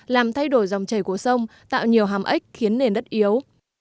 làm thay đổi dòng chảy của sông tạo nhiều hàm ếch khiến nền đất yếu